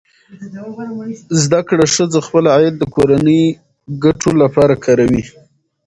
زده کړه ښځه خپل عاید د کورنۍ ګټو لپاره کاروي.